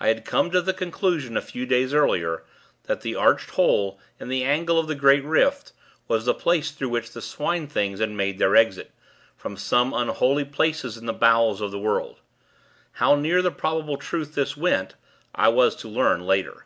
I had come to the conclusion a few days earlier, that the arched hole, in the angle of the great rift, was the place through which the Swine things had made their exit, from some unholy place in the bowels of the world. How near the probable truth this went, I was to learn later.